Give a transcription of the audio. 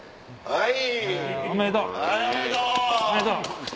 はい。